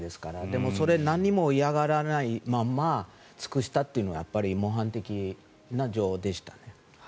でも、それを何も嫌がらないまま尽くしたというのがやっぱり模範的な女王でしたね。